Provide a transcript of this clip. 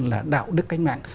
là đạo đức cách mạng